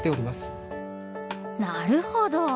なるほど。